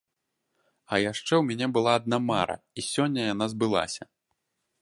А яшчэ ў мяне была адна мара і сёння яна збылася.